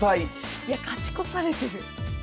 いや勝ち越されてる。